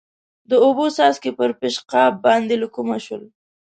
د اوبو څاڅکي پر پېشقاب باندې له کومه شول؟